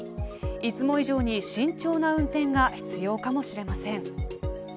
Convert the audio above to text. いつも以上に慎重な運転が必要かもしれません。